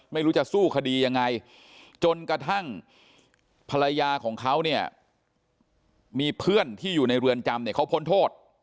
ไม่รู้จะสู้คดียังไงจนกระทั่งภรรยาของเขาเนี่ยมีเพื่อนที่อยู่ในเรือนจำเนี่ยเขาพ้นโทษ